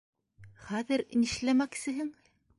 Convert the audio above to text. Хәҙер нишләмәксеһең?